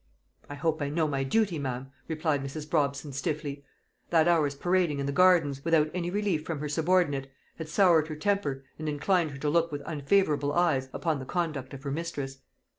"I hope I know my duty, ma'am," replied Mrs. Brobson stiffly. That hour's parading in the gardens, without any relief from her subordinate, had soured her temper, and inclined her to look with unfavourable eyes upon the conduct of her mistress.